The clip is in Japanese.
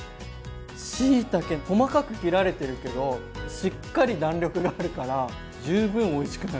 しいたけ細かく切られてるけどしっかり弾力があるから十分おいしくなる。